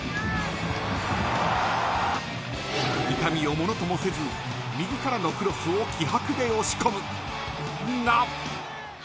痛みをものともせず右からのクロスを気迫で押し込むが。